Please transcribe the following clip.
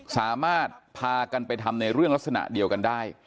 สามารถพากันไปทำในเรื่องลักษณะเดียวกันได้